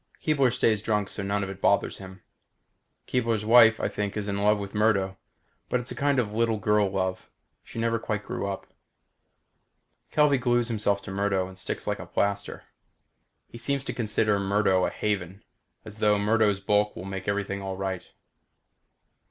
Keebler stays drunk so none of it bothers him. Keebler's wife, I think, is in love with Murdo but it's a kind of little girl love. She never quite grew up. Kelvey glues himself to Murdo and sticks like a plaster. He seems to consider Murdo a haven, as though Murdo's bulk will make everything all right.